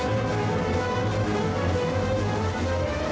aku ikut bersamanya